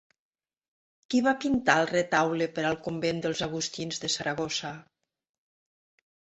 Qui va pintar el retaule per al convent dels Agustins de Saragossa?